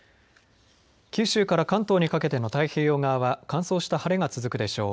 九州から関東にかけての太平洋側は乾燥した晴れが続くでしょう